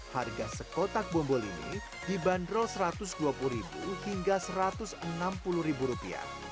harga sekotak bombol ini dibanderol rp satu ratus dua puluh hingga rp satu ratus enam puluh